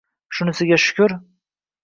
Shunisiga shukr